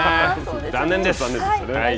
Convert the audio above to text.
残念です。